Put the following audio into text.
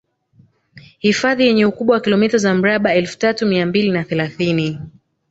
hifadhi yenye ukubwa wa kilomita za mraba elfu tatu mia mbili na thelathini